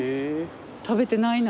食べてないな。